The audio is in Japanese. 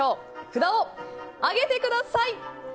札を上げてください。